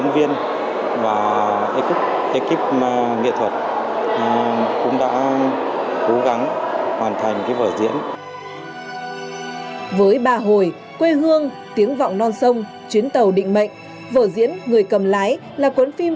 với ba hồi quê hương tiếng vọng non sông chuyến tàu định mệnh vở diễn người cầm lái là cuốn phim